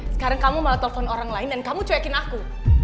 sekarang kamu malah telepon orang lain dan kamu cuekin aku